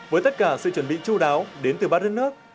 với tất cả sự chuẩn bị chú đáo đến từ ba đất nước